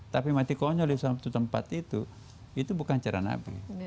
tapi mati konyol di suatu tempat itu itu bukan cara nabi